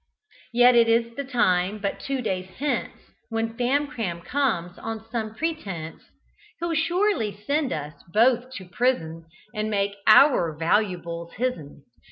Yet is the time but two days hence When Famcram comes; on some pretence He'll surely send us both to pris'n, And make our valuables hisn.